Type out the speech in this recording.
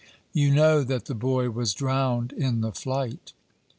"You know that the boy was drowned in the flight.